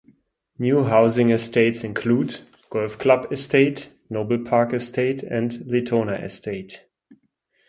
New housing estates include: Golf Club Estate, Noble Park Estate and Letona Estate.